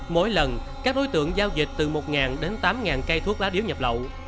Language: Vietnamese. mỗi lần các đối tượng giao dịch từ một đến tám cây thuốc lá điếu nhập lậu